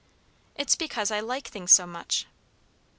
"It's because I like things so much."